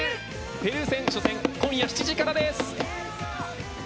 ペルー戦初戦今夜、７時からです。